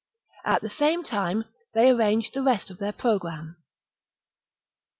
At the same time they arranged the re'st of their programme. ^S.